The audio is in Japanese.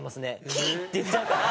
「ヒィ！！」って言っちゃうから。